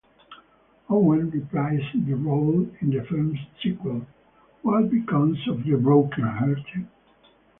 Owen reprised the role in the film's sequel, What Becomes of the Broken Hearted?